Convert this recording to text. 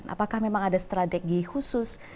apakah memang ada strategi khusus